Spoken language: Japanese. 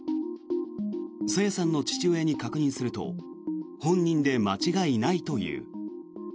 朝芽さんの父親に確認すると本人で間違いないという。